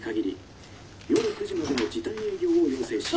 「夜９時までの時短営業を要請し」。